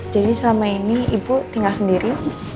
jadi selama ini ibu tinggal sendiri